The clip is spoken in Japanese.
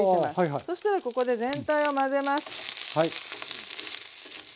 そしたらここで全体を混ぜます。